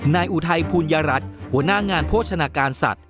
นายอุไทยภูณยรัฐหัวหน้างานโภชนาการสัตว์